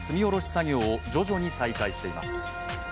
作業を徐々に再開しています。